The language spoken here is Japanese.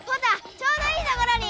ちょうどいいところに！